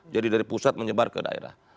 dari pusat menyebar ke daerah